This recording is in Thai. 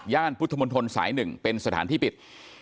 ย่านพุทธมนตร์สายหนึ่งเป็นสถานที่ปิด